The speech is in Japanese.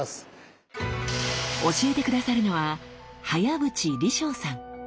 教えて下さるのは早淵鯉將さん。